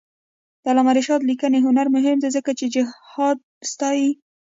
د علامه رشاد لیکنی هنر مهم دی ځکه چې جهاد ستايي.